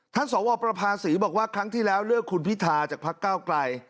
สวประภาษีบอกว่าครั้งที่แล้วเลือกคุณพิธาจากพักเก้าไกล